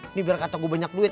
ini biar kata gue banyak duit